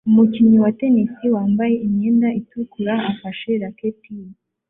Umukinnyi wa tennis wambaye imyenda itukura afashe racket ye